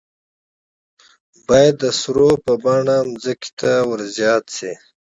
باید د سرو په بڼه ځمکې ته ور زیاتې شي.